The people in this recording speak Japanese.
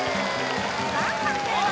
さあ判定は？